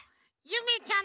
ゆめちゃん！